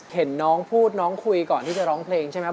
เห็นน้องพูดน้องคุยก่อนที่จะร้องเพลงใช่ไหม